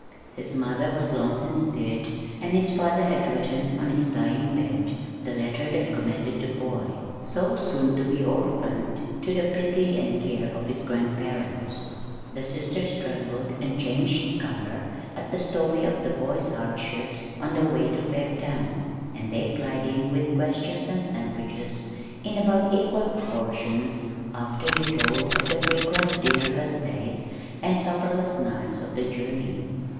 His mother was long since dead, and his father had written on his dying bed the letter that commended the boy so soon to be orphaned to the pity and care of his grandparents. The sisters trembled and changed color at the story of the boy's hardships on the way to Fairtown; and they plied him with questions and sandwiches in about equal proportions after he told of the frequent dinnerless days and supperless nights of the journey.